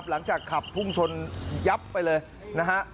หลังจากขับพุ่งชนยับไปเลยนะฮะ